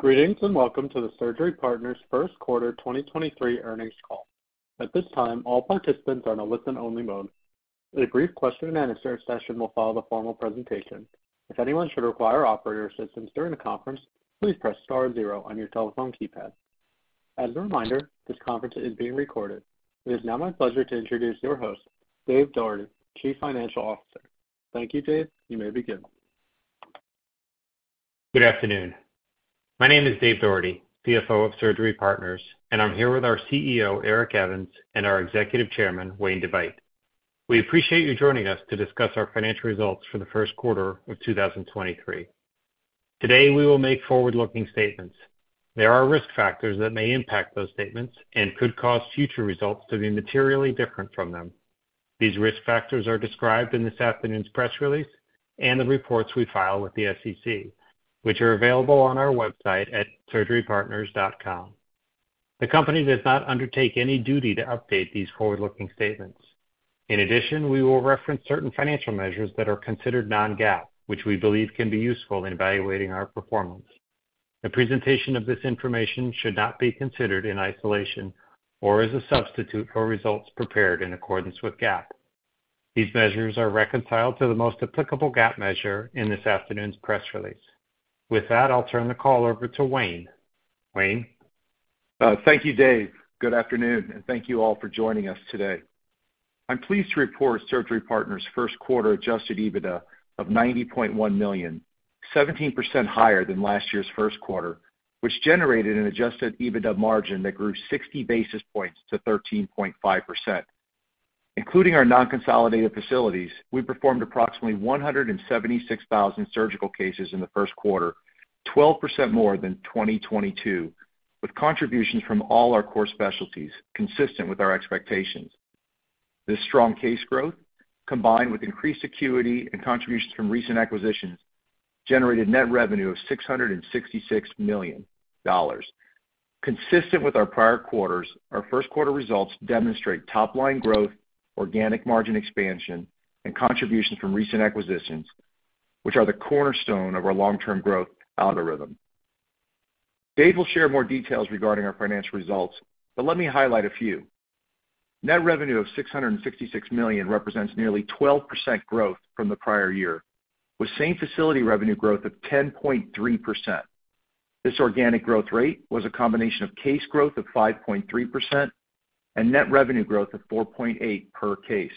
Greetings, and welcome to the Surgery Partners' 1st quarter 2023 earnings call. At this time, all participants are in a listen-only mode. A brief question and answer session will follow the formal presentation. If anyone should require operator assistance during the conference, please press star zero on your telephone keypad. As a reminder, this conference is being recorded. It is now my pleasure to introduce your host, Dave Dougherty, Chief Financial Officer. Thank you, Dave. You may begin. Good afternoon. My name is Dave Dougherty, CFO of Surgery Partners, and I'm here with our CEO, Eric Evans, and our Executive Chairman, Wayne DeVeydt. We appreciate you joining us to discuss our financial results for the 1st quarter of 2023. Today, we will make forward-looking statements. There are risk factors that may impact those statements and could cause future results to be materially different from them. These risk factors are described in this afternoon's press release and the reports we file with the SEC, which are available on our website at surgerypartners.com. The company does not undertake any duty to update these forward-looking statements. In addition, we will reference certain financial measures that are considered non-GAAP, which we believe can be useful in evaluating our performance. The presentation of this information should not be considered in isolation or as a substitute for results prepared in accordance with GAAP. These measures are reconciled to the most applicable GAAP measure in this afternoon's press release. With that, I'll turn the call over to Wayne. Wayne. Thank you, Dave. Good afternoon, and thank you all for joining us today. I'm pleased to report Surgery Partners' 1st quarter Adjusted EBITDA of $90.1 million, 17% higher than last year's 1st quarter, which generated an Adjusted EBITDA margin that grew 60 basis points to 13.5%. Including our non-consolidated facilities, we performed approximately 176,000 surgical cases in the 1st quarter, 12% more than 2022, with contributions from all our core specialties, consistent with our expectations. This strong case growth, combined with increased acuity and contributions from recent acquisitions, generated net revenue of $666 million. Consistent with our prior quarters, our 1st quarter results demonstrate top-line growth, organic margin expansion, and contributions from recent acquisitions, which are the cornerstone of our long-term growth algorithm. Dave will share more details regarding our financial results, but let me highlight a few. Net revenue of $666 million represents nearly 12% growth from the prior year, with same-facility revenue growth of 10.3%. This organic growth rate was a combination of case growth of 5.3% and net revenue growth of 4.8 per case.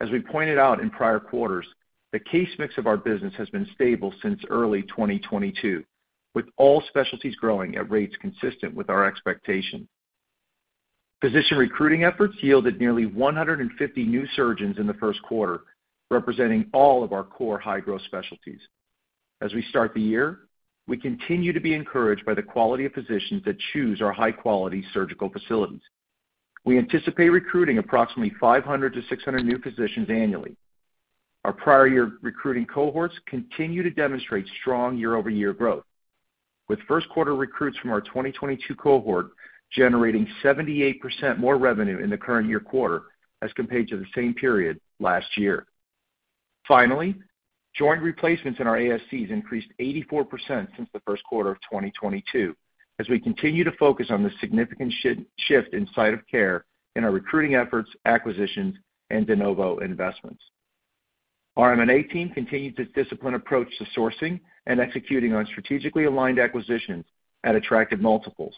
As we pointed out in prior quarters, the case mix of our business has been stable since early 2022, with all specialties growing at rates consistent with our expectations. Physician recruiting efforts yielded nearly 150 new surgeons in the 1st quarter, representing all of our core high-growth specialties. As we start the year, we continue to be encouraged by the quality of physicians that choose our high-quality surgical facilities. We anticipate recruiting approximately 500-600 new physicians annually. Our prior year recruiting cohorts continue to demonstrate strong year-over-year growth, with 1st quarter recruits from our 2022 cohort generating 78% more revenue in the current year quarter as compared to the same period last year. Joint replacements in our ASCs increased 84% since the 1st quarter of 2022, as we continue to focus on the significant shift in site of care in our recruiting efforts, acquisitions, and de novo investments. Our M&A team continued its disciplined approach to sourcing and executing on strategically aligned acquisitions at attractive multiples,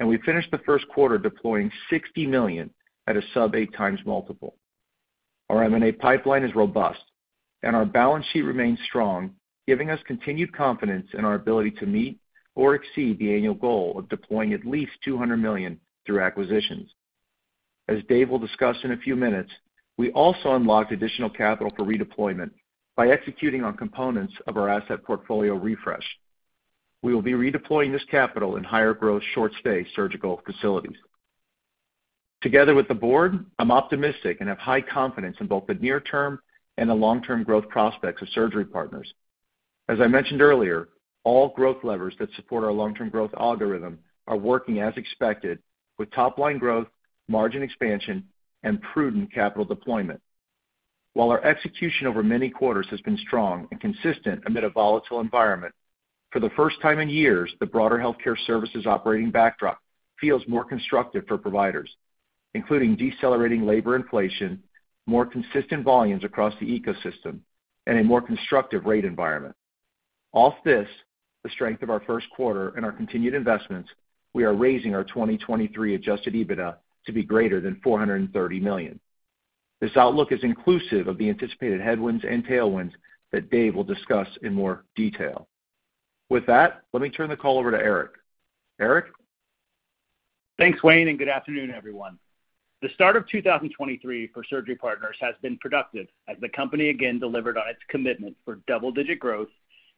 and we finished the 1st quarter deploying $60 million at a sub-8x multiple. Our M&A pipeline is robust, and our balance sheet remains strong, giving us continued confidence in our ability to meet or exceed the annual goal of deploying at least $200 million through acquisitions. As Dave will discuss in a few minutes, we also unlocked additional capital for redeployment by executing on components of our asset portfolio refresh. We will be redeploying this capital in higher growth, short-stay surgical facilities. Together with the board, I'm optimistic and have high confidence in both the near-term and the long-term growth prospects of Surgery Partners. As I mentioned earlier, all growth levers that support our long-term growth algorithm are working as expected with top-line growth, margin expansion, and prudent capital deployment. While our execution over many quarters has been strong and consistent amid a volatile environment, for the first time in years, the broader healthcare services operating backdrop feels more constructive for providers, including decelerating labor inflation, more consistent volumes across the ecosystem, and a more constructive rate environment. Off this, the strength of our 1st quarter and our continued investments, we are raising our 2023 Adjusted EBITDA to be greater than $430 million. This outlook is inclusive of the anticipated headwinds and tailwinds that Dave Dougherty will discuss in more detail. Let me turn the call over to Eric Evans. Eric Evans? Thanks, Wayne, and good afternoon, everyone. The start of 2023 for Surgery Partners has been productive as the company again delivered on its commitment for double-digit growth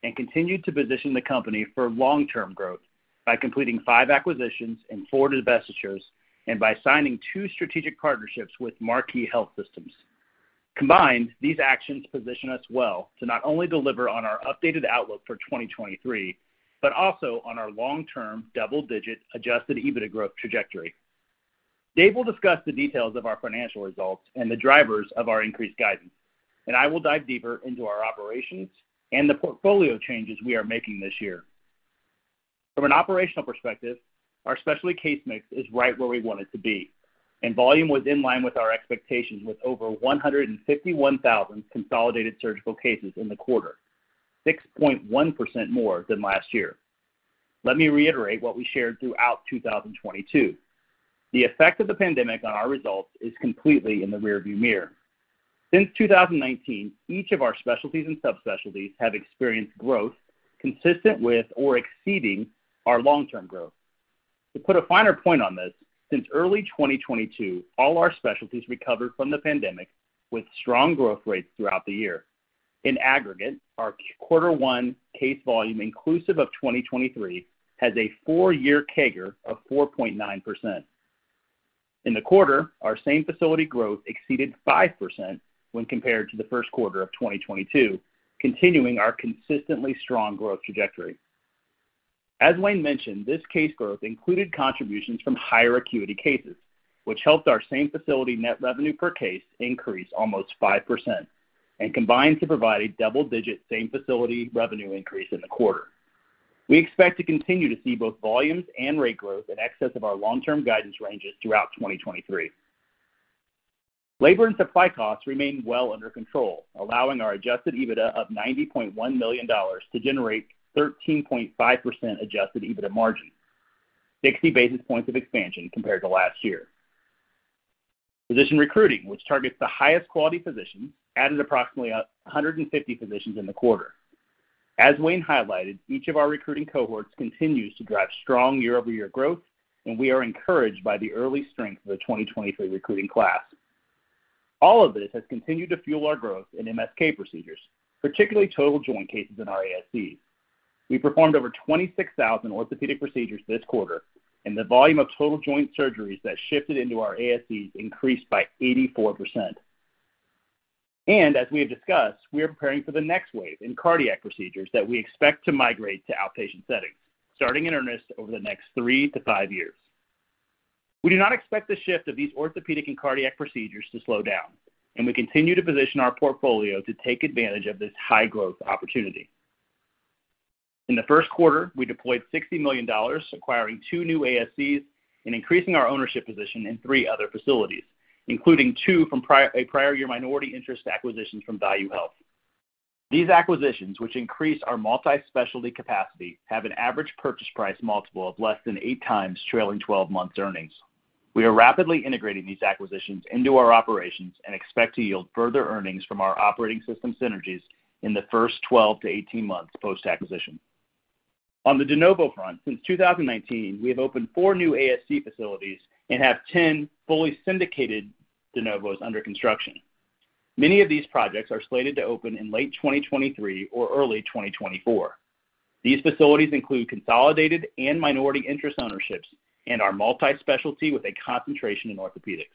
and continued to position the company for long-term growth by completing 5 acquisitions and 4 divestitures and by signing 2 strategic partnerships with Marquee Health Systems. Combined, these actions position us well to not only deliver on our updated outlook for 2023 but also on our long-term double-digit Adjusted EBITDA growth trajectory. Dave will discuss the details of our financial results and the drivers of our increased guidance, and I will dive deeper into our operations and the portfolio changes we are making this year. From an operational perspective, our specialty case mix is right where we want it to be, and volume was in line with our expectations with over 151,000 consolidated surgical cases in the quarter, 6.1% more than last year. Let me reiterate what we shared throughout 2022. The effect of the pandemic on our results is completely in the rearview mirror. Since 2019, each of our specialties and subspecialties have experienced growth consistent with or exceeding our long-term growth. To put a finer point on this, since early 2022, all our specialties recovered from the pandemic with strong growth rates throughout the year. In aggregate, our quarter 1 case volume inclusive of 2023 has a 4-year CAGR of 4.9%. In the quarter, our same facility growth exceeded 5% when compared to the 1st quarter of 2022, continuing our consistently strong growth trajectory. As Wayne mentioned, this case growth included contributions from higher acuity cases, which helped our same facility net revenue per case increase almost 5% and combines to provide a double-digit same facility revenue increase in the quarter. We expect to continue to see both volumes and rate growth in excess of our long-term guidance ranges throughout 2023. Labor and supply costs remain well under control, allowing our Adjusted EBITDA of $90.1 million to generate 13.5% Adjusted EBITDA margin, 60 basis points of expansion compared to last year. Physician recruiting, which targets the highest quality physicians, added approximately 150 physicians in the quarter. As Wayne highlighted, each of our recruiting cohorts continues to drive strong year-over-year growth, and we are encouraged by the early strength of the 2023 recruiting class. All of this has continued to fuel our growth in MSK procedures, particularly total joint cases in our ASCs. We performed over 26,000 orthopedic procedures this quarter, and the volume of total joint surgeries that shifted into our ASCs increased by 84%. As we have discussed, we are preparing for the next wave in cardiac procedures that we expect to migrate to outpatient settings, starting in earnest over the next 3-5 years. We do not expect the shift of these orthopedic and cardiac procedures to slow down. We continue to position our portfolio to take advantage of this high-growth opportunity. In the 1st quarter, we deployed $60 million acquiring two new ASCs and increasing our ownership position in three other facilities, including two from a prior year minority interest acquisitions from ValueHealth. These acquisitions, which increase our multi-specialty capacity, have an average purchase price multiple of less than 8 times trailing twelve months earnings. We are rapidly integrating these acquisitions into our operations and expect to yield further earnings from our operating system synergies in the first 12 to 18 months post-acquisition. On the de novo front, since 2019, we have opened four new ASC facilities and have 10 fully syndicated de novos under construction. Many of these projects are slated to open in late 2023 or early 2024. These facilities include consolidated and minority interest ownerships and are multi-specialty with a concentration in orthopedics.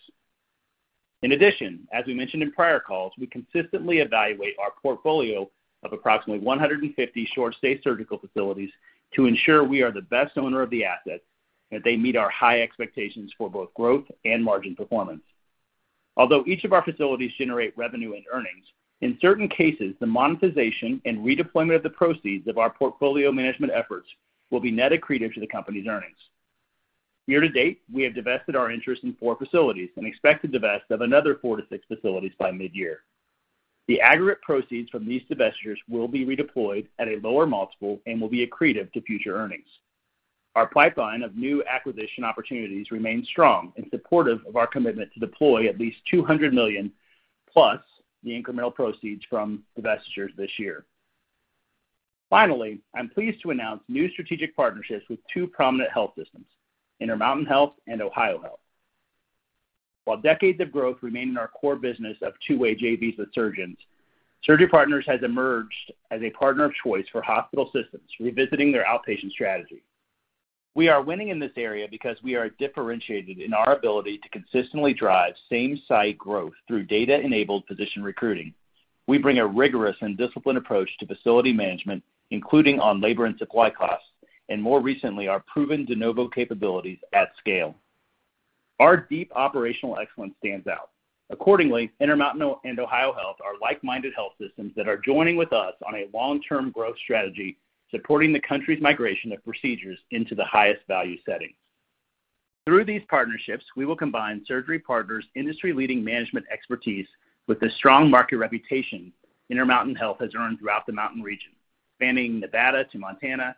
As we mentioned in prior calls, we consistently evaluate our portfolio of approximately 150 short-stay surgical facilities to ensure we are the best owner of the assets, and they meet our high expectations for both growth and margin performance. Each of our facilities generate revenue and earnings, in certain cases, the monetization and redeployment of the proceeds of our portfolio management efforts will be net accretive to the company's earnings. Year to date, we have divested our interest in 4 facilities and expect to divest of another 4-6 facilities by mid-year. The aggregate proceeds from these divestitures will be redeployed at a lower multiple and will be accretive to future earnings. Our pipeline of new acquisition opportunities remains strong in supportive of our commitment to deploy at least $200 million plus the incremental proceeds from divestitures this year. Finally, I'm pleased to announce new strategic partnerships with two prominent health systems, Intermountain Health and OhioHealth. While decades of growth remain in our core business of two-way JVs with surgeons, Surgery Partners has emerged as a partner of choice for hospital systems revisiting their outpatient strategy. We are winning in this area because we are differentiated in our ability to consistently drive same-site growth through data-enabled physician recruiting. We bring a rigorous and disciplined approach to facility management, including on labor and supply costs, and more recently, our proven de novo capabilities at scale. Our deep operational excellence stands out. Accordingly, Intermountain and OhioHealth are like-minded health systems that are joining with us on a long-term growth strategy supporting the country's migration of procedures into the highest value settings. Through these partnerships, we will combine Surgery Partners industry-leading management expertise with the strong market reputation Intermountain Health has earned throughout the mountain region, spanning Nevada to Montana,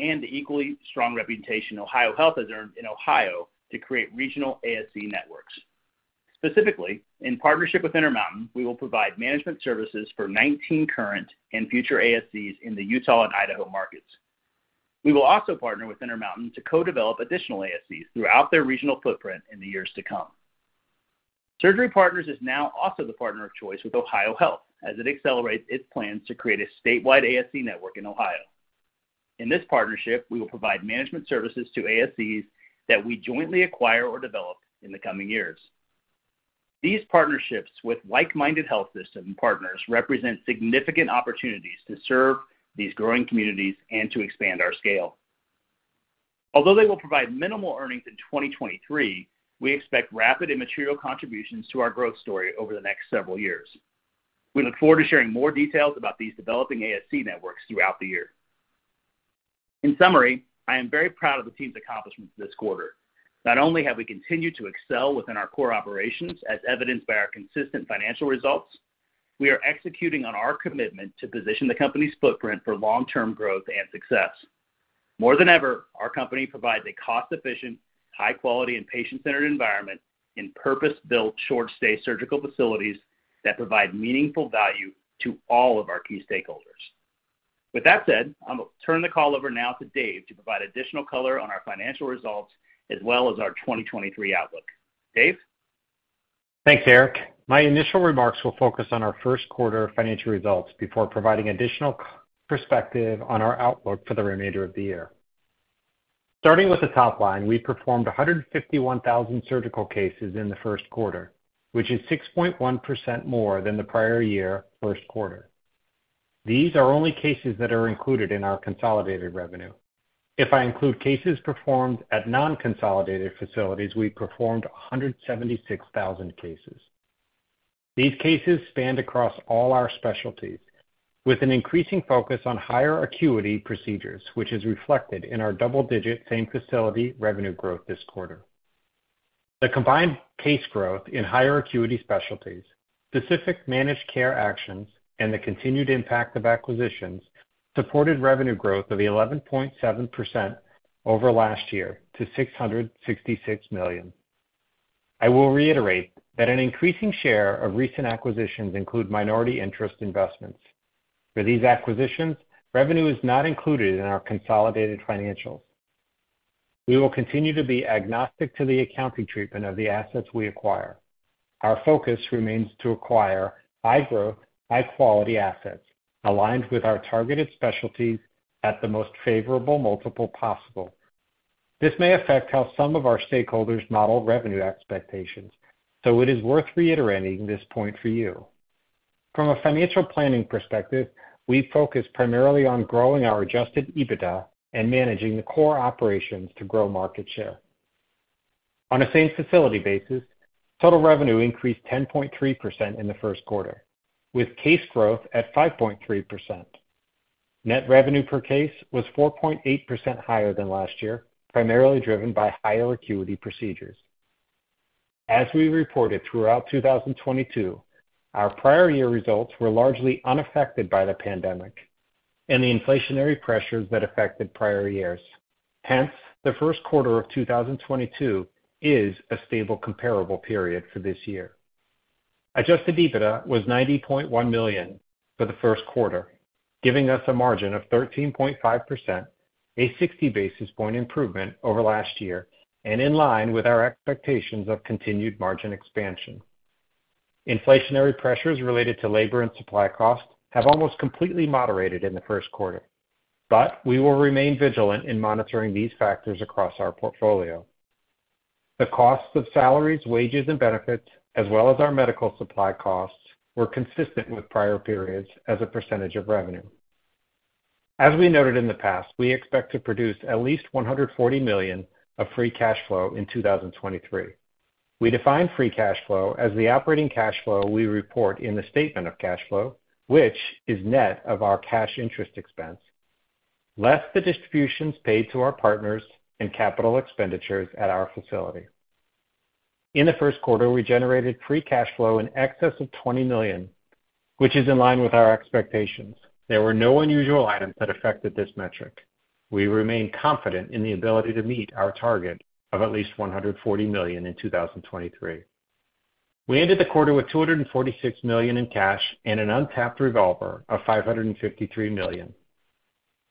and the equally strong reputation OhioHealth has earned in Ohio to create regional ASC networks. Specifically, in partnership with Intermountain, we will provide management services for 19 current and future ASCs in the Utah and Idaho markets. We will also partner with Intermountain to co-develop additional ASCs throughout their regional footprint in the years to come. Surgery Partners is now also the partner of choice with OhioHealth as it accelerates its plans to create a statewide ASC network in Ohio. In this partnership, we will provide management services to ASCs that we jointly acquire or develop in the coming years. These partnerships with like-minded health system partners represent significant opportunities to serve these growing communities and to expand our scale. Although they will provide minimal earnings in 2023, we expect rapid and material contributions to our growth story over the next several years. We look forward to sharing more details about these developing ASC networks throughout the year. In summary, I am very proud of the team's accomplishments this quarter. Not only have we continued to excel within our core operations, as evidenced by our consistent financial results, we are executing on our commitment to position the company's footprint for long-term growth and success. More than ever, our company provides a cost-efficient, high-quality, and patient-centered environment in purpose-built short-stay surgical facilities that provide meaningful value to all of our key stakeholders. With that said, I'm going to turn the call over now to Dave to provide additional color on our financial results as well as our 2023 outlook. Dave? Thanks, Eric. My initial remarks will focus on our 1st quarter financial results before providing additional perspective on our outlook for the remainder of the year. Starting with the top line, we performed 151,000 surgical cases in the 1st quarter, which is 6.1% more than the prior year 1st quarter. These are only cases that are included in our consolidated revenue. If I include cases performed at non-consolidated facilities, we performed 176,000 cases. These cases spanned across all our specialties, with an increasing focus on higher acuity procedures, which is reflected in our double-digit same facility revenue growth this quarter. The combined case growth in higher acuity specialties, specific managed care actions, and the continued impact of acquisitions supported revenue growth of 11.7% over last year to $666 million. I will reiterate that an increasing share of recent acquisitions include minority interest investments. For these acquisitions, revenue is not included in our consolidated financials. We will continue to be agnostic to the accounting treatment of the assets we acquire. Our focus remains to acquire high-growth, high-quality assets aligned with our targeted specialties at the most favorable multiple possible. This may affect how some of our stakeholders model revenue expectations, so it is worth reiterating this point for you. From a financial planning perspective, we focus primarily on growing our Adjusted EBITDA and managing the core operations to grow market share. On a same-facility basis, total revenue increased 10.3% in the 1st quarter, with case growth at 5.3%. Net revenue per case was 4.8% higher than last year, primarily driven by higher acuity procedures. As we reported throughout 2022, our prior year results were largely unaffected by the pandemic and the inflationary pressures that affected prior years. Hence, the 1st quarter of 2022 is a stable comparable period for this year. Adjusted EBITDA was $90.1 million for the 1st quarter, giving us a margin of 13.5%, a 60 basis point improvement over last year, and in line with our expectations of continued margin expansion. Inflationary pressures related to labor and supply costs have almost completely moderated in the 1st quarter, but we will remain vigilant in monitoring these factors across our portfolio. The costs of salaries, wages, and benefits, as well as our medical supply costs, were consistent with prior periods as a % of revenue. As we noted in the past, we expect to produce at least $140 million of Free Cash Flow in 2023. We define Free Cash Flow as the operating cash flow we report in the statement of cash flow, which is net of our cash interest expense, less the distributions paid to our partners and capital expenditures at our facility. In the 1st quarter, we generated Free Cash Flow in excess of $20 million, which is in line with our expectations. There were no unusual items that affected this metric. We remain confident in the ability to meet our target of at least $140 million in 2023. We ended the quarter with $246 million in cash and an untapped revolver of $553 million.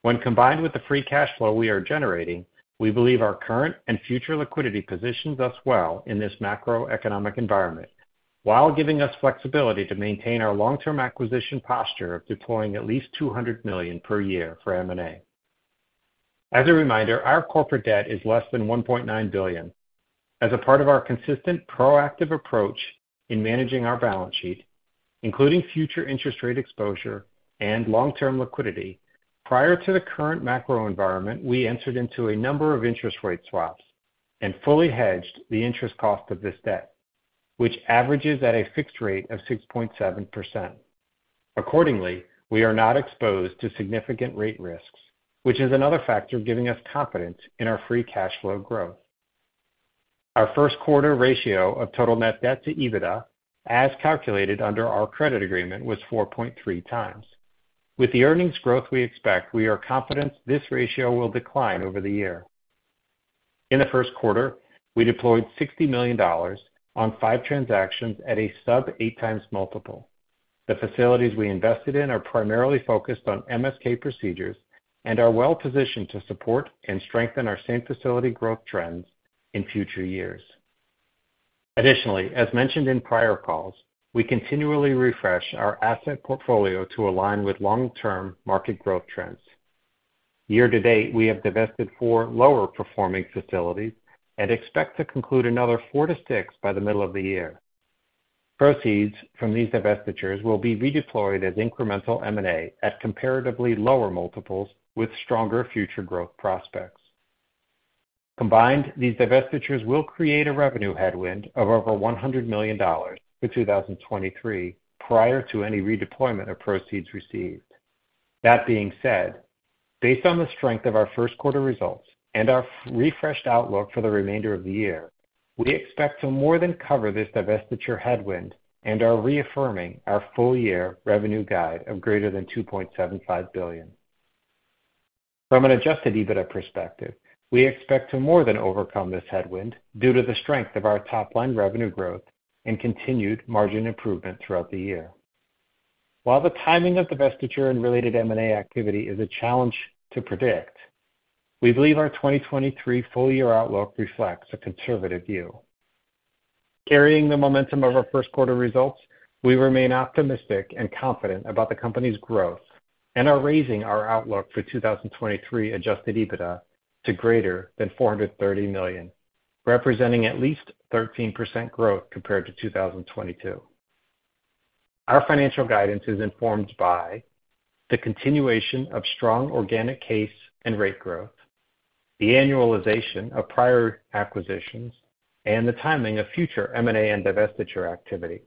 When combined with the Free Cash Flow we are generating, we believe our current and future liquidity positions us well in this macroeconomic environment while giving us flexibility to maintain our long-term acquisition posture of deploying at least $200 million per year for M&A. As a reminder, our corporate debt is less than $1.9 billion. As a part of our consistent proactive approach in managing our balance sheet, including future interest rate exposure and long-term liquidity, prior to the current macro environment, we entered into a number of interest rate swaps and fully hedged the interest cost of this debt, which averages at a fixed rate of 6.7%. Accordingly, we are not exposed to significant rate risks, which is another factor giving us confidence in our Free Cash Flow growth. Our 1st quarter ratio of total net debt to EBITDA, as calculated under our credit agreement, was 4.3 times. With the earnings growth we expect, we are confident this ratio will decline over the year. In the 1st quarter, we deployed $60 million on 5 transactions at a sub 8x multiple. The facilities we invested in are primarily focused on MSK procedures and are well positioned to support and strengthen our same-facility growth trends in future years. Additionally, as mentioned in prior calls, we continually refresh our asset portfolio to align with long-term market growth trends. Year-to-date, we have divested 4 lower performing facilities and expect to conclude another 4-6 by the middle of the year. Proceeds from these divestitures will be redeployed as incremental M&A at comparatively lower multiples with stronger future growth prospects. Combined, these divestitures will create a revenue headwind of over $100 million for 2023, prior to any redeployment of proceeds received. That being said, based on the strength of our 1st quarter results and our refreshed outlook for the remainder of the year, we expect to more than cover this divestiture headwind and are reaffirming our full year revenue guide of greater than $2.75 billion. From an Adjusted EBITDA perspective, we expect to more than overcome this headwind due to the strength of our top line revenue growth and continued margin improvement throughout the year. While the timing of divestiture and related M&A activity is a challenge to predict, we believe our 2023 full year outlook reflects a conservative view. Carrying the momentum of our 1st quarter results, we remain optimistic and confident about the company's growth and are raising our outlook for 2023 Adjusted EBITDA to greater than $430 million, representing at least 13% growth compared to 2022. Our financial guidance is informed by the continuation of strong organic case and rate growth, the annualization of prior acquisitions, and the timing of future M&A and divestiture activity.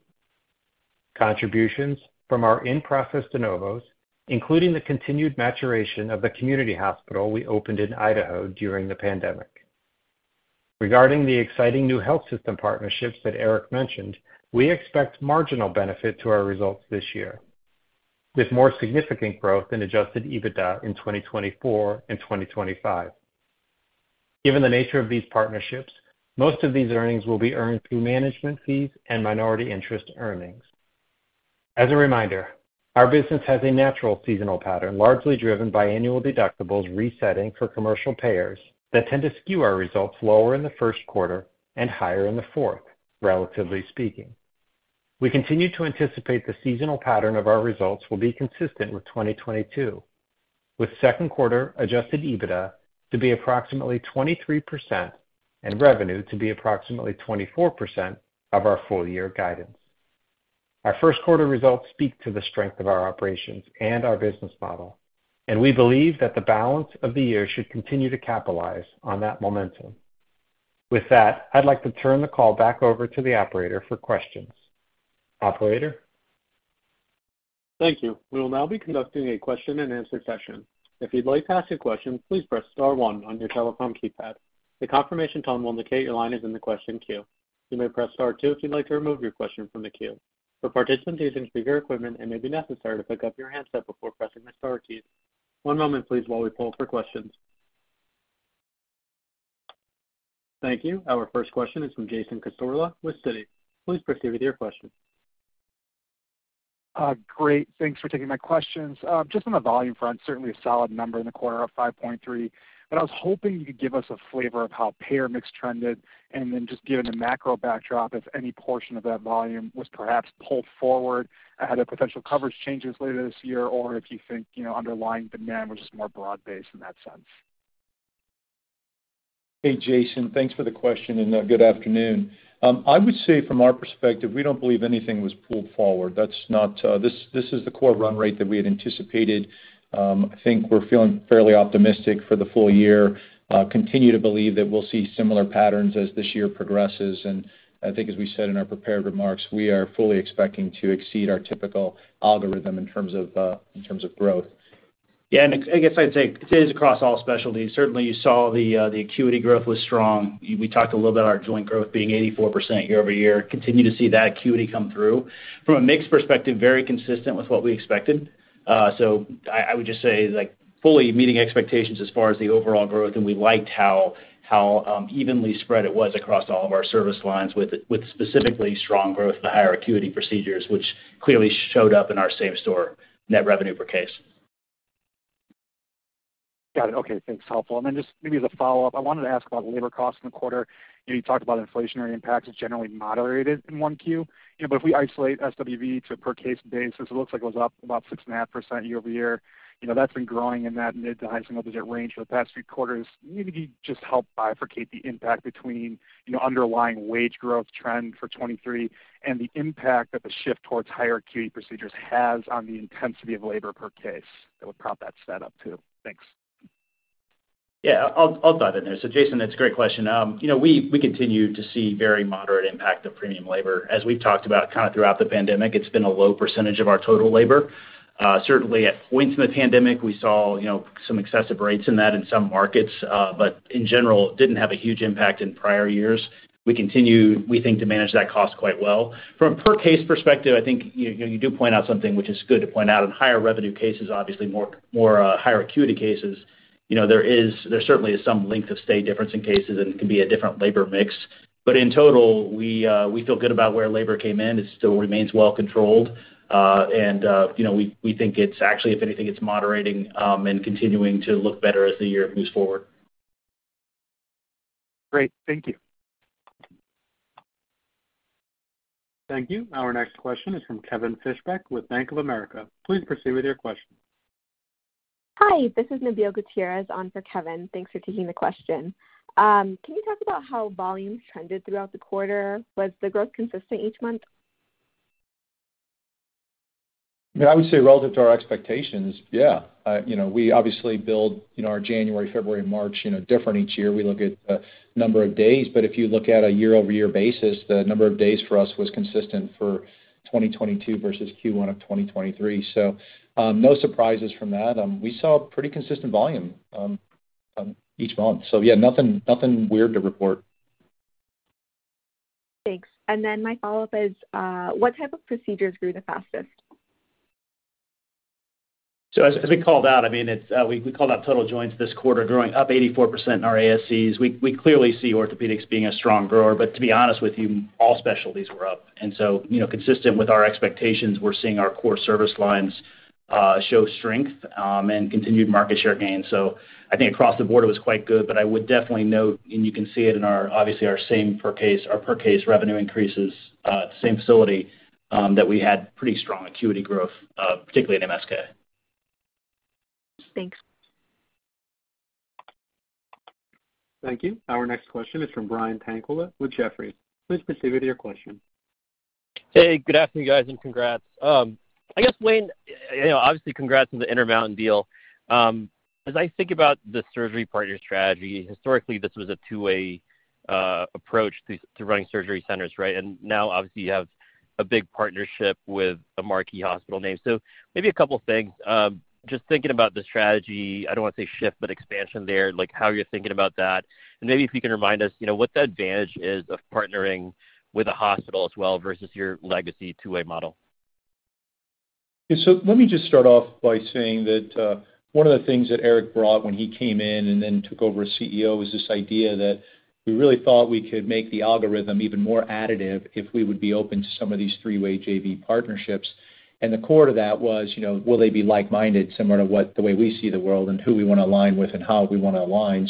Contributions from our in-process de novos, including the continued maturation of the community hospital we opened in Idaho during the pandemic. Regarding the exciting new health system partnerships that Eric Evans mentioned, we expect marginal benefit to our results this year, with more significant growth in Adjusted EBITDA in 2024 and 2025. Given the nature of these partnerships, most of these earnings will be earned through management fees and minority interest earnings. As a reminder, our business has a natural seasonal pattern, largely driven by annual deductibles resetting for commercial payers that tend to skew our results lower in the 1st quarter and higher in the fourth, relatively speaking. We continue to anticipate the seasonal pattern of our results will be consistent with 2022, with 2nd quarter Adjusted EBITDA to be approximately 23% and revenue to be approximately 24% of our full year guidance. Our 1st quarter results speak to the strength of our operations and our business model, we believe that the balance of the year should continue to capitalize on that momentum. With that, I'd like to turn the call back over to the operator for questions. Operator? Thank you. We will now be conducting a question and answer session. If you'd like to ask a question, please press star one on your telephone keypad. The confirmation tone will indicate your line is in the question queue. You may press star two if you'd like to remove your question from the queue. For participants using speaker equipment, it may be necessary to pick up your handset before pressing the star keys. One moment, please, while we poll for questions. Thank you. Our first question is from Jason Cassorla with Citi. Please proceed with your question. Great. Thanks for taking my questions. Just on the volume front, certainly a solid number in the quarter of 5.3, I was hoping you could give us a flavor of how payer mix trended and then just given the macro backdrop, if any portion of that volume was perhaps pulled forward ahead of potential coverage changes later this year, or if you think, you know, underlying demand was just more broad-based in that sense. Hey, Jason, thanks for the question and good afternoon. I would say from our perspective, we don't believe anything was pulled forward. That's not. This is the core run rate that we had anticipated. I think we're feeling fairly optimistic for the full year, continue to believe that we'll see similar patterns as this year progresses. I think as we said in our prepared remarks, we are fully expecting to exceed our typical algorithm in terms of growth. I guess I'd say it is across all specialties. Certainly, you saw the acuity growth was strong. We talked a little about our joint growth being 84% year-over-year. Continue to see that acuity come through. From a mix perspective, very consistent with what we expected. I would just say, like, fully meeting expectations as far as the overall growth. We liked how evenly spread it was across all of our service lines with specifically strong growth, the higher acuity procedures, which clearly showed up in our same store net revenue per case. Got it. Okay. Thanks. Helpful. Just maybe as a follow-up, I wanted to ask about labor costs in the quarter. You talked about inflationary impacts as generally moderated in one Q. If we isolate SFR to a per case basis, it looks like it was up about 6.5% year-over-year. That's been growing in that mid to high single digit range for the past few quarters. Maybe just help bifurcate the impact between underlying wage growth trend for 2023 and the impact that the shift towards higher acuity procedures has on the intensity of labor per case. That would prop that stat up, too. Thanks. Yeah, I'll dive in there. Jason, that's a great question. You know, we continue to see very moderate impact of premium labor. As we've talked about kind of throughout the pandemic, it's been a low percentage of our total labor. Certainly at points in the pandemic, we saw, you know, some excessive rates in that in some markets, but in general, didn't have a huge impact in prior years. We continue, we think, to manage that cost quite well. From a per case perspective, I think you do point out something which is good to point out. In higher revenue cases, obviously more higher acuity cases, you know, there certainly is some length of stay difference in cases, and it can be a different labor mix. In total, we feel good about where labor came in. It still remains well controlled. You know, we think it's actually, if anything, it's moderating, and continuing to look better as the year moves forward. Great. Thank you. Thank you. Our next question is from Kevin Fishbeck with Bank of America. Please proceed with your question. Hi, this is Nabil Gutierrez on for Kevin. Thanks for taking the question. Can you talk about how volumes trended throughout the quarter? Was the growth consistent each month? Yeah, I would say relative to our expectations, yeah. You know, we obviously build, you know, our January, February and March, you know, different each year. We look at the number of days. If you look at a year-over-year basis, the number of days for us was consistent for 2022 versus Q1 of 2023. No surprises from that. We saw pretty consistent volume each month. Yeah, nothing weird to report. Thanks. My follow-up is, what type of procedures grew the fastest? As we called out, I mean, it's, we called out total joints this quarter growing up 84% in our ASCs. We clearly see orthopedics being a strong grower. To be honest with you, all specialties were up. You know, consistent with our expectations, we're seeing our core service lines show strength and continued market share gains. I think across the board it was quite good, but I would definitely note, and you can see it in our, obviously our same per case, our per case revenue increases, the same facility, that we had pretty strong acuity growth, particularly in MSK. Thanks. Thank you. Our next question is from Brian Tanquilut with Jefferies. Please proceed with your question. Hey, good afternoon, guys, and congrats. I guess, Wayne, you know, obviously congrats on the Intermountain deal. As I think about the Surgery Partners strategy, historically, this was a two-way approach to running surgery centers, right? Now, obviously you have a big partnership with a marquee hospital name. Maybe a couple things. Just thinking about the strategy, I don't wanna say shift, but expansion there, like how you're thinking about that. Maybe if you can remind us, you know, what the advantage is of partnering with a hospital as well versus your legacy two-way model. Yeah. Let me just start off by saying that one of the things that Eric brought when he came in and then took over as CEO was this idea that we really thought we could make the algorithm even more additive if we would be open to some of these three-way JV partnerships. The core to that was, you know, will they be like-minded similar to what the way we see the world and who we wanna align with and how we wanna align.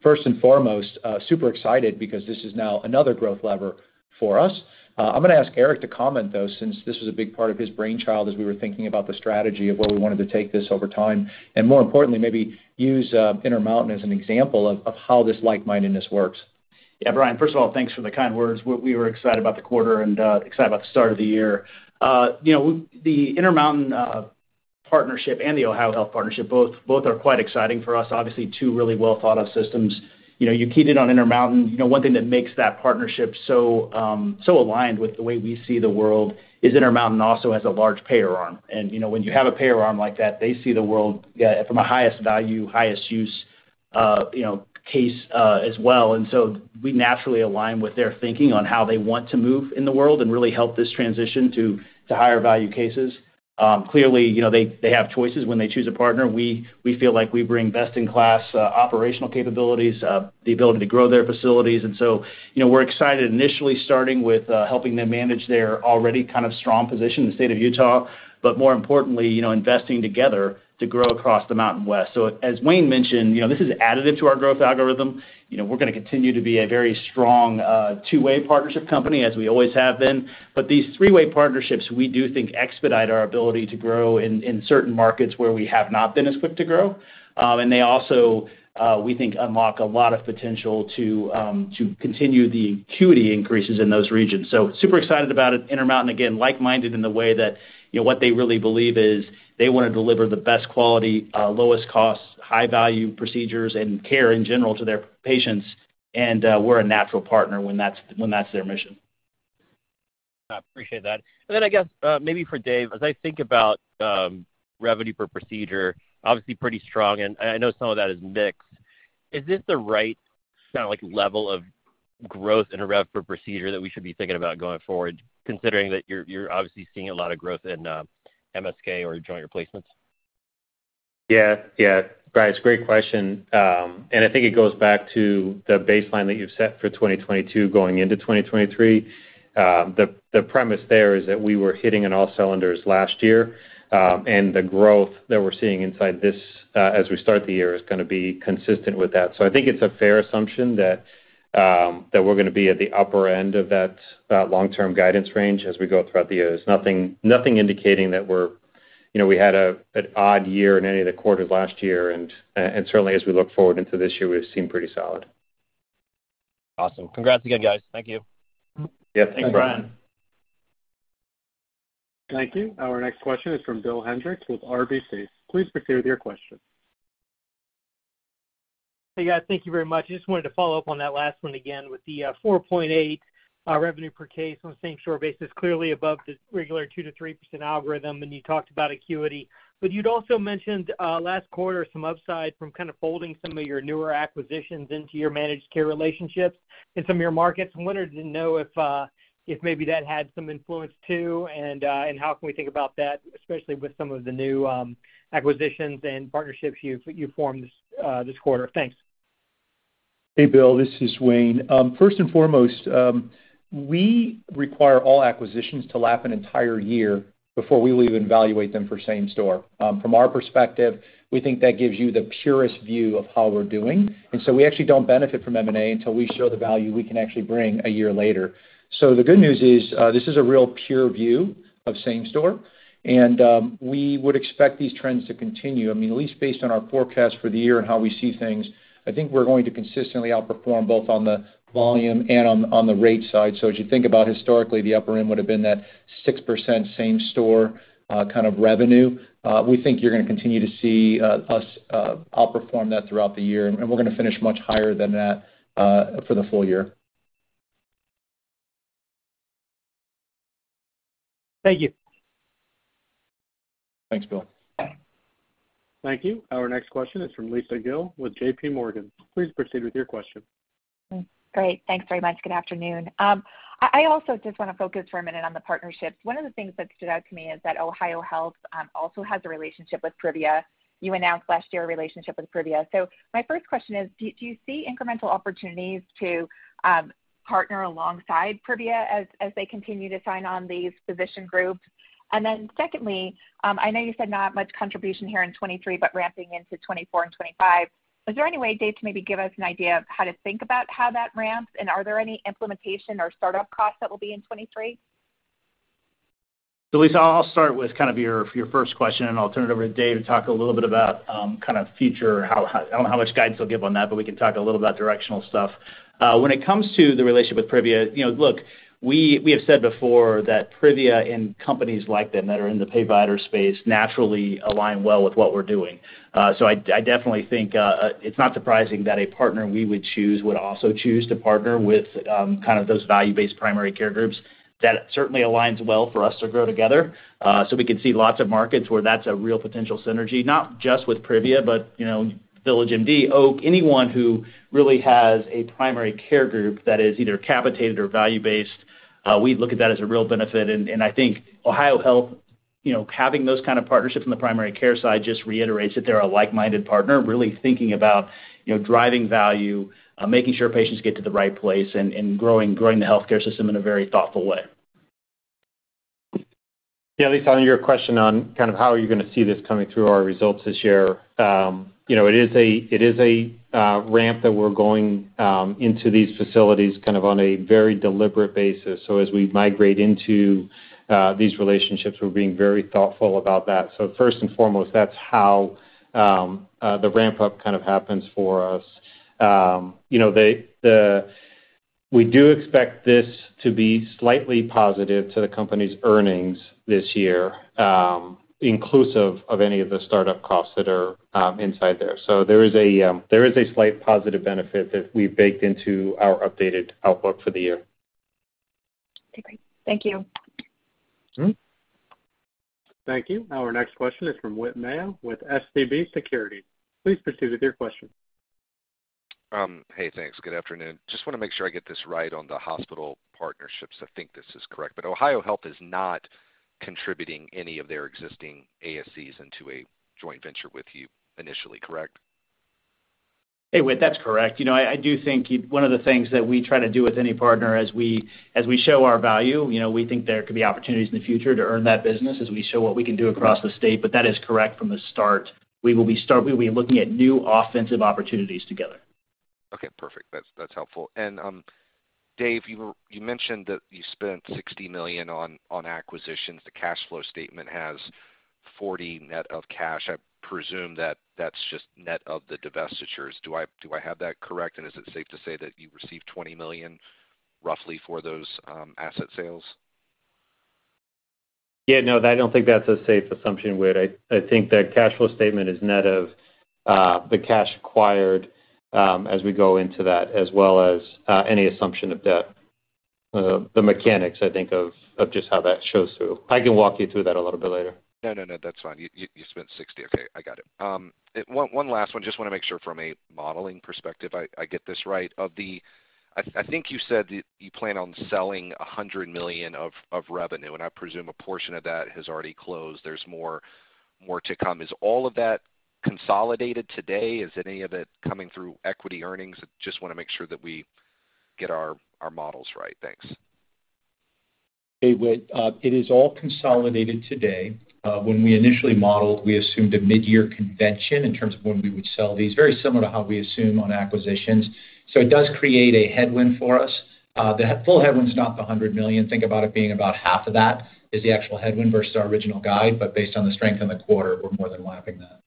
First and foremost, super excited because this is now another growth lever for us. I'm gonna ask Eric to comment, though, since this was a big part of his brainchild as we were thinking about the strategy of where we wanted to take this over time. More importantly, maybe use Intermountain as an example of how this like-mindedness works. Brian, first of all, thanks for the kind words. We were excited about the quarter and excited about the start of the year. You know, the Intermountain partnership and the OhioHealth partnership, both are quite exciting for us. Obviously, two really well thought of systems. You know, you keyed in on Intermountain. You know, one thing that makes that partnership so aligned with the way we see the world is Intermountain also has a large payer arm. You know, when you have a payer arm like that, they see the world from a highest value, highest use, you know, case as well. We naturally align with their thinking on how they want to move in the world and really help this transition to higher value cases. Clearly, you know, they have choices when they choose a partner. We feel like we bring best in class operational capabilities, the ability to grow their facilities. You know, we're excited initially starting with helping them manage their already kind of strong position in the state of Utah, but more importantly, you know, investing together to grow across the Mountain West. As Wayne mentioned, you know, this is additive to our growth algorithm. You know, we're gonna continue to be a very strong two-way partnership company as we always have been. These three-way partnerships, we do think expedite our ability to grow in certain markets where we have not been as quick to grow. They also, we think unlock a lot of potential to continue the acuity increases in those regions. Super excited about it. Intermountain, again, like-minded in the way that, you know, what they really believe is they wanna deliver the best quality, lowest cost, high value procedures and care in general to their patients. We're a natural partner when that's their mission. I appreciate that. I guess, maybe for Dave, as I think about revenue per procedure, obviously pretty strong, and I know some of that is mix. Is this the right sound like level of growth in a rev per procedure that we should be thinking about going forward, considering that you're obviously seeing a lot of growth in MSK or joint replacements? Yeah. Yeah. Brian, it's a great question. I think it goes back to the baseline that you've set for 2022 going into 2023. The premise there is that we were hitting on all cylinders last year, and the growth that we're seeing inside this as we start the year is gonna be consistent with that. I think it's a fair assumption that we're gonna be at the upper end of that long-term guidance range as we go throughout the year. There's nothing indicating that we're, you know, we had an odd year in any of the quarters last year. Certainly as we look forward into this year, we seem pretty solid. Awesome. Congrats again, guys. Thank you. Yep. Thanks, Brian. Thanks, Brian. Thank you. Our next question is from ill Hendricks with RBC. Please proceed with your question. Hey, guys. Thank you very much. I just wanted to follow up on that last one again with the 4.8 revenue per case on the same store basis, clearly above the regular 2%-3% algorithm, and you talked about acuity. You'd also mentioned last quarter some upside from kinda folding some of your newer acquisitions into your managed care relationships in some of your markets. I'm wondering to know if maybe that had some influence too, and how can we think about that, especially with some of the new acquisitions and partnerships you've formed this quarter. Thanks. Hey, Bill, this is Wayne DeVeydt. First and foremost, we require all acquisitions to lap an entire year before we will even evaluate them for same store. From our perspective, we think that gives you the purest view of how we're doing, we actually don't benefit from M&A until we show the value we can actually bring a year later. The good news is, this is a real pure view of same store, and we would expect these trends to continue. I mean, at least based on our forecast for the year and how we see things, I think we're going to consistently outperform both on the volume and on the rate side. As you think about historically, the upper end would have been that 6% same store, kind of revenue. We think you're gonna continue to see us outperform that throughout the year, and we're gonna finish much higher than that for the full year. Thank you. Thanks, Bill. Bye. Thank you. Our next question is from Lisa Gill with JP Morgan. Please proceed with your question. Great. Thanks very much. Good afternoon. I also just wanna focus for a minute on the partnerships. One of the things that stood out to me is that OhioHealth also has a relationship with Privia. You announced last year a relationship with Privia. My first question is do you see incremental opportunities to partner alongside Privia as they continue to sign on these physician groups? Secondly, I know you said not much contribution here in 23, but ramping into 24 and 25. Is there any way, Dave, to maybe give us an idea of how to think about how that ramps, and are there any implementation or startup costs that will be in 23? Lisa, I'll start with kind of your first question, and I'll turn it over to Dave to talk a little bit about kind of future, I don't know how much guidance he'll give on that, but we can talk a little about directional stuff. When it comes to the relationship with Privia, you know, look, we have said before that Privia and companies like them that are in the payvider space naturally align well with what we're doing. I definitely think it's not surprising that a partner we would choose would also choose to partner with kind of those value-based primary care groups that certainly aligns well for us to grow together. We can see lots of markets where that's a real potential synergy, not just with Privia, but, you know, VillageMD, Oak Street Health, anyone who really has a primary care group that is either capitated or value based, we look at that as a real benefit. I think OhioHealth, you know, having those kind of partnerships on the primary care side just reiterates that they're a like-minded partner, really thinking about, you know, driving value, making sure patients get to the right place and growing the healthcare system in a very thoughtful way. Lisa, on your question on kind of how are you gonna see this coming through our results this year. you know, it is a ramp that we're going into these facilities kind of on a very deliberate basis. As we migrate into these relationships, we're being very thoughtful about that. First and foremost, that's how the ramp-up kind of happens for us. you know, the we do expect this to be slightly positive to the company's earnings this year, inclusive of any of the startup costs that are inside there. There is a slight positive benefit that we baked into our updated outlook for the year. Okay, great. Thank you. Mm-hmm. Thank you. Our next question is from Whit Mayo with SVB Securities. Please proceed with your question. Hey, thanks. Good afternoon. Just wanna make sure I get this right on the hospital partnerships. I think this is correct. OhioHealth is not contributing any of their existing ASCs into a joint venture with you initially, correct? Hey, Whit. That's correct. You know, I do think one of the things that we try to do with any partner as we show our value, you know, we think there could be opportunities in the future to earn that business as we show what we can do across the state. That is correct from the start. We'll be looking at new offensive opportunities together. Okay, perfect. That's helpful. Dave, you mentioned that you spent $60 million on acquisitions. The cash flow statement has $40 net of cash. I presume that that's just net of the divestitures. Do I have that correct? Is it safe to say that you received $20 million roughly for those, asset sales? Yeah, no, I don't think that's a safe assumption, Whit. I think that cash flow statement is net of the cash acquired, as we go into that, as well as any assumption of debt. The mechanics, I think, of just how that shows through. I can walk you through that a little bit later. No, no, that's fine. You spent $60. Okay, I got it. One last one. Just wanna make sure from a modeling perspective, I get this right. Of the I think you said that you plan on selling $100 million of revenue, and I presume a portion of that has already closed. There's more to come. Is all of that consolidated today? Is any of it coming through equity earnings? Just wanna make sure that we get our models right. Thanks. Hey, Whit. It is all consolidated today. When we initially modeled, we assumed a mid-year convention in terms of when we would sell these, very similar to how we assume on acquisitions. It does create a headwind for us. The full headwind's not the $100 million. Think about it being about half of that is the actual headwind versus our original guide. Based on the strength in the quarter, we're more than lapping that.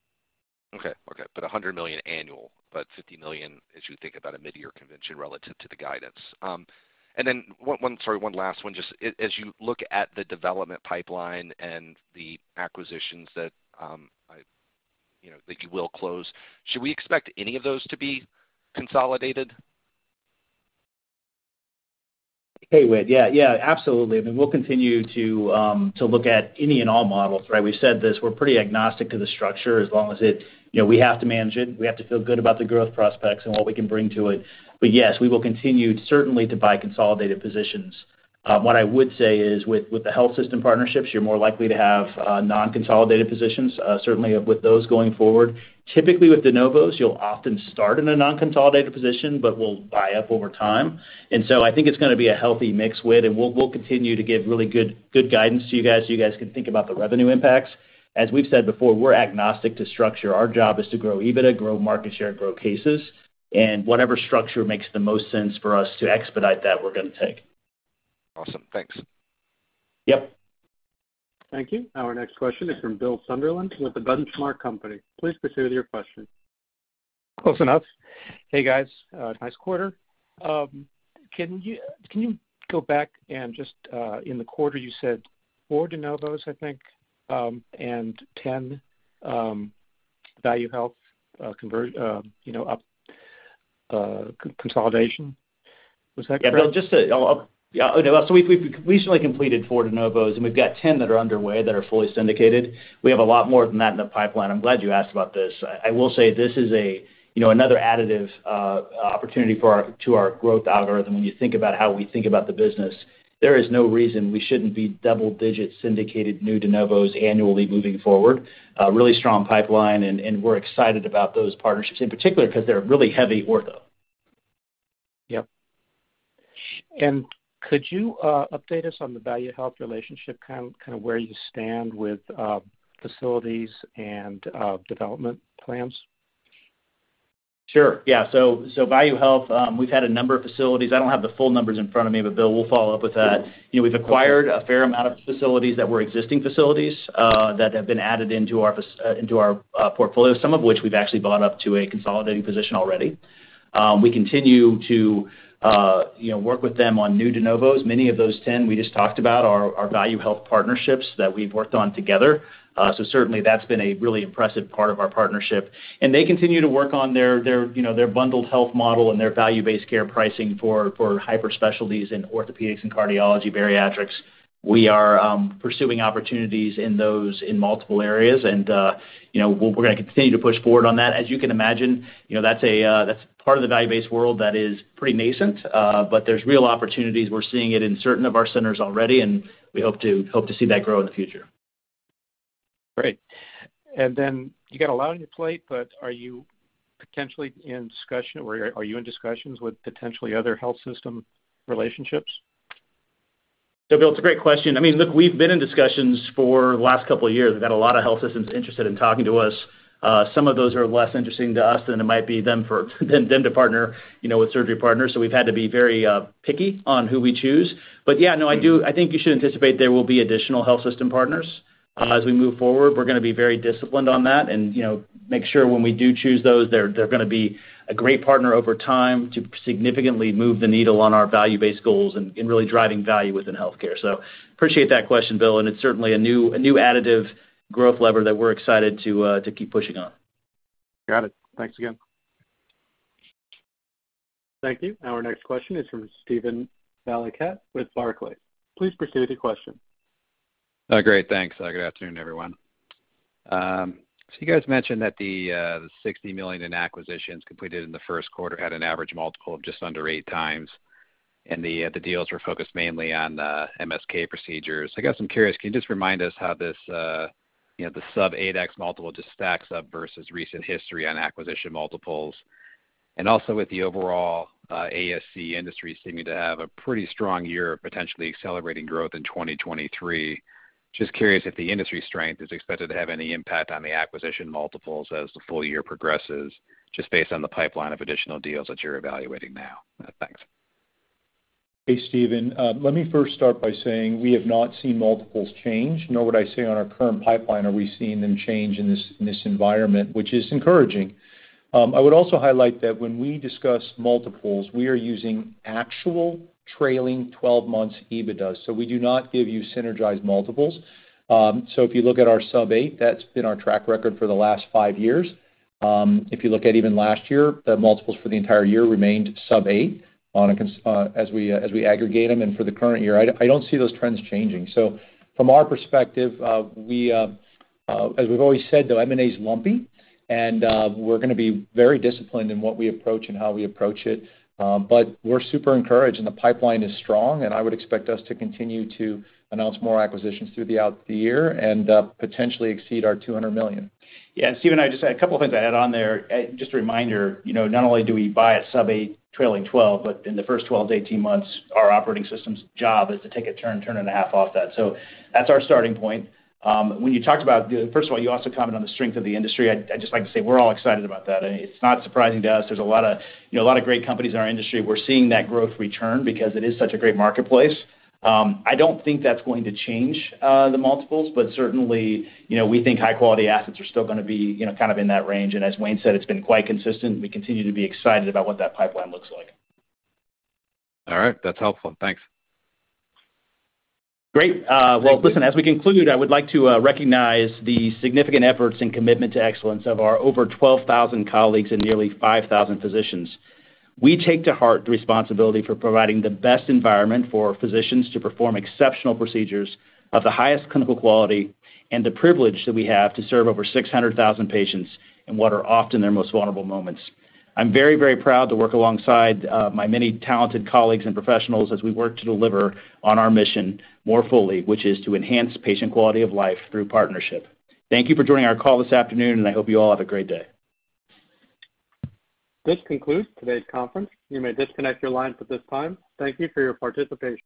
Okay. Okay. $100 million annual, but $50 million as you think about a mid-year convention relative to the guidance. One, sorry, one last one. Just as you look at the development pipeline and the acquisitions that, you know, that you will close, should we expect any of those to be consolidated? Hey, Whit. Yeah, absolutely. I mean, we'll continue to look at any and all models, right? We've said this, we're pretty agnostic to the structure as long as it, you know, we have to manage it, we have to feel good about the growth prospects and what we can bring to it. Yes, we will continue certainly to buy consolidated positions. What I would say is with the health system partnerships, you're more likely to have non-consolidated positions, certainly with those going forward. Typically with de novos, you'll often start in a non-consolidated position, but will buy up over time. I think it's gonna be a healthy mix, Whit, and we'll continue to give really good guidance to you guys, so you guys can think about the revenue impacts. As we've said before, we're agnostic to structure. Our job is to grow EBITDA, grow market share, grow cases. Whatever structure makes the most sense for us to expedite that, we're gonna take. Awesome. Thanks. Yep. Thank you. Our next question is from Bill Sunderland with the Gunderson Company. Please proceed with your question. Close enough. Hey, guys. nice quarter. can you go back and just, in the quarter you said 4 de novos, I think, and 10 Value Health, you know, consolidation. Was that correct? Yeah, Bill, just to... Yeah. No, we've recently completed 4 de novos, and we've got 10 that are underway that are fully syndicated. We have a lot more than that in the pipeline. I'm glad you asked about this. I will say this is a, you know, another additive opportunity to our growth algorithm. When you think about how we think about the business, there is no reason we shouldn't be double digits syndicated new de novos annually moving forward. Really strong pipeline and we're excited about those partnerships, in particular because they're really heavy ortho. Yep. Could you update us on the Value Health relationship, kind of where you stand with facilities and development plans? Sure, yeah. Value Health, we've had a number of facilities. I don't have the full numbers in front of me, but Bill, we'll follow up with that. You know, we've acquired a fair amount of facilities that were existing facilities that have been added into our portfolio, some of which we've actually bought up to a consolidated position already. We continue to, you know, work with them on new de novos. Many of those 10 we just talked about are Value Health partnerships that we've worked on together. certainly that's been a really impressive part of our partnership. They continue to work on their, you know, their bundled health model and their value-based care pricing for hyper-specialties in orthopedics and cardiology, bariatrics. We are pursuing opportunities in those in multiple areas, you know, we're gonna continue to push forward on that. As you can imagine, you know, that's part of the value-based world that is pretty nascent, but there's real opportunities. We're seeing it in certain of our centers already, and we hope to see that grow in the future. Great. You got a lot on your plate, but are you potentially in discussion or are you in discussions with potentially other health system relationships? Bill, it's a great question. I mean, look, we've been in discussions for the last couple of years. We've got a lot of health systems interested in talking to us. Some of those are less interesting to us than it might be them for, than them to partner, you know, with Surgery Partners. We've had to be very picky on who we choose. Yeah, no, I think you should anticipate there will be additional health system partners. As we move forward, we're gonna be very disciplined on that and, you know, make sure when we do choose those, they're gonna be a great partner over time to significantly move the needle on our value-based goals and really driving value within healthcare. Appreciate that question, Bill, and it's certainly a new additive growth lever that we're excited to keep pushing on. Got it. Thanks again. Thank you. Our next question is from Steven Valiquette with Barclays. Please proceed with your question. Great. Thanks. Good afternoon, everyone. You guys mentioned that the $60 million in acquisitions completed in the 1st quarter had an average multiple of just under 8x, and the deals were focused mainly on MSK procedures. I guess I'm curious, can you just remind us how this, you know, the sub-8x multiple just stacks up versus recent history on acquisition multiples? Also with the overall ASC industry seeming to have a pretty strong year, potentially accelerating growth in 2023, just curious if the industry strength is expected to have any impact on the acquisition multiples as the full year progresses, just based on the pipeline of additional deals that you're evaluating now. Thanks. Hey, Steven. Let me first start by saying we have not seen multiples change, nor would I say on our current pipeline are we seeing them change in this, in this environment, which is encouraging. I would also highlight that when we discuss multiples, we are using actual trailing twelve months EBITDA, so we do not give you synergized multiples. If you look at our sub-eight, that's been our track record for the last five years. If you look at even last year, the multiples for the entire year remained sub-eight on a cons- as we aggregate them. For the current year, I don't see those trends changing. From our perspective, we, as we've always said, though, M&A's lumpy, and we're gonna be very disciplined in what we approach and how we approach it. We're super encouraged, and the pipeline is strong, and I would expect us to continue to announce more acquisitions through the, out the year and potentially exceed our $200 million. Yeah, Steven, I just had a couple things to add on there. Just a reminder, you know, not only do we buy a sub-8 trailing twelve, but in the first 12 to 18 months, our operating systems' job is to take a turn and a half off that. That's our starting point. When you talked about First of all, you also commented on the strength of the industry. I'd just like to say we're all excited about that. It's not surprising to us. There's a lot of, you know, a lot of great companies in our industry. We're seeing that growth return because it is such a great marketplace. I don't think that's going to change the multiples, but certainly, you know, we think high quality assets are still gonna be, you know, kind of in that range. As Wayne said, it's been quite consistent, and we continue to be excited about what that pipeline looks like. All right. That's helpful. Thanks. Great. Well, listen, as we conclude, I would like to recognize the significant efforts and commitment to excellence of our over 12,000 colleagues and nearly 5,000 physicians. We take to heart the responsibility for providing the best environment for physicians to perform exceptional procedures of the highest clinical quality and the privilege that we have to serve over 600,000 patients in what are often their most vulnerable moments. I'm very, very proud to work alongside my many talented colleagues and professionals as we work to deliver on our mission more fully, which is to enhance patient quality of life through partnership. Thank you for joining our call this afternoon. I hope you all have a great day. This concludes today's conference. You may disconnect your lines at this time. Thank you for your participation.